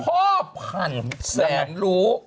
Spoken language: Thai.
พ่อพันแสนลู